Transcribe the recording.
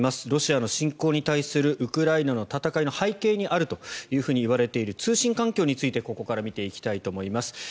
ロシアの侵攻に対するウクライナの戦いの背景にあるといわれている通信環境についてここから見ていきたいと思います。